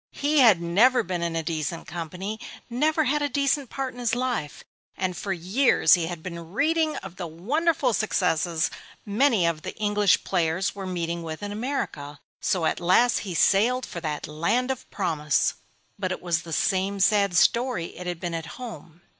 He had never been in a decent company never had a decent part in his life. And for years he had been reading of the wonderful success many of the English players were meeting with in America, so at last he sailed for that Land of Promise. But it was the same sad story it had been at home.